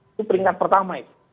itu peringkat pertama itu